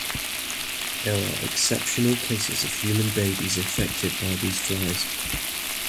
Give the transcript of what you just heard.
There are exceptional cases of human babies infected by these flies.